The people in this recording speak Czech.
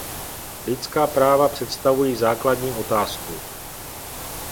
Lidská práva představují základní otázku.